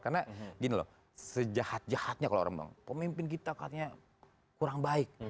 karena gini loh sejahat jahatnya kalau orang bilang pemimpin kita katanya kurang baik